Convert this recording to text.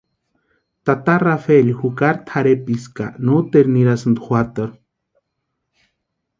Tata Rafeli jukari tʼarhepisti ya ka noteru nirasïnti juatarhu.